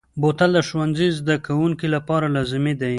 بوتل د ښوونځي زده کوونکو لپاره لازمي دی.